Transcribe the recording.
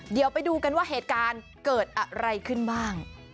เดี๋ยวไปดูกันว่าเหตุการณ์เกิดอะไรขึ้นบ้าง